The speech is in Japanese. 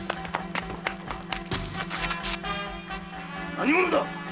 何者だ！